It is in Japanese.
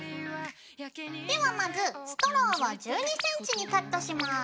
ではまずストローを１２ｃｍにカットします。